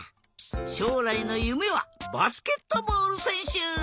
しょうらいのゆめはバスケットボールせんしゅ。